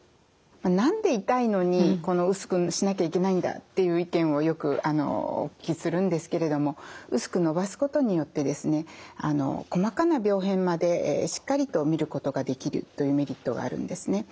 何で痛いのに薄くしなきゃいけないんだっていう意見をよくお聞きするんですけれども薄くのばすことによってですね細かな病変までしっかりと見ることができるというメリットがあるんですね。